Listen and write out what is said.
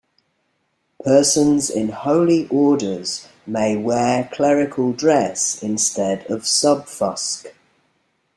Persons in Holy Orders may wear clerical dress instead of "subfusc".